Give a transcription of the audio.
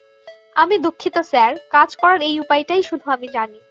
আমি দুঃখিত স্যার, কাজ করার এই উপায়টাই শুধু আমি জানি।